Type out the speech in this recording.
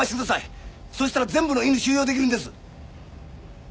そうしたら全部の犬収容できるんです！